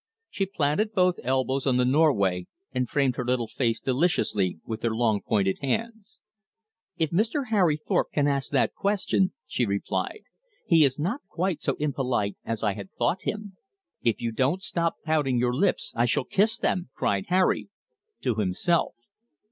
She planted both elbows on the Norway and framed her little face deliciously with her long pointed hands. "If Mr. Harry Thorpe can ask that question," she replied, "he is not quite so impolite as I had thought him." "If you don't stop pouting your lips, I shall kiss them!" cried Harry to himself.